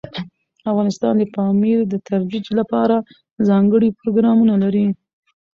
افغانستان د پامیر د ترویج لپاره ځانګړي پروګرامونه لري.